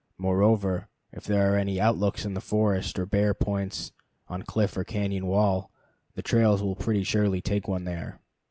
Moreover, if there are any outlooks in the forest, or bare points on cliff or cañon wall, the trails will pretty surely take one there.